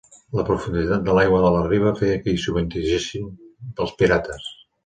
La profunditat de l'aigua de la riba feia que hi sovintegessin els pirates.